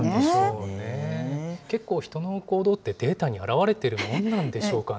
結構、人の行動ってデータに表れているものなんでしょうかね。